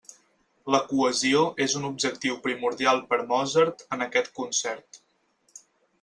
La cohesió és un objectiu primordial per a Mozart en aquest concert.